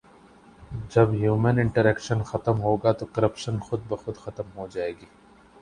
جب human interaction ختم ہوگا تو کرپشن خودبخود ختم ہو جائے گی